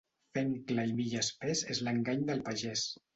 Fenc clar i mill espès és l'engany del pagès.